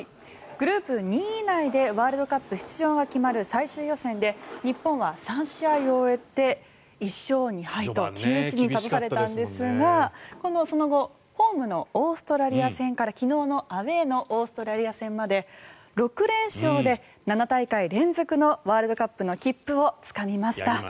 グループ２位以内でワールドカップ出場が決まる最終予選で日本は３試合を終えて１勝２敗と窮地に立たされたんですがその後ホームのオーストラリア戦から昨日のアウェーのオーストラリア戦まで６連勝で７大会連続のワールドカップの切符をつかみました。